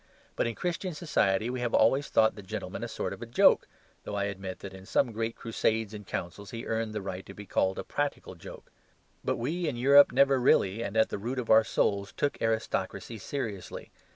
But in Christian society we have always thought the gentleman a sort of joke, though I admit that in some great crusades and councils he earned the right to be called a practical joke. But we in Europe never really and at the root of our souls took aristocracy seriously.